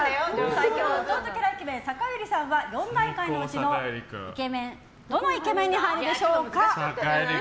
最強弟キャライケメン酒寄さんは４段階のうちのどのイケメンに入るでしょうか。